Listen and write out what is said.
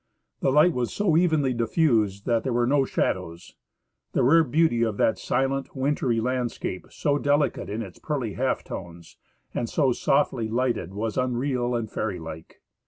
The light was so evenly diffused that there were no shadows. The rare beauty of that silent, wintry landscape, so delicate in its pearly half tones and so softly lighted, was unreal and fairy like.